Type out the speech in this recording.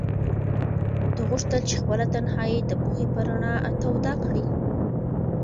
ده غوښتل چې خپله تنهایي د پوهې په رڼا توده کړي.